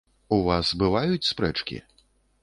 У вас бываюць спрэчкі?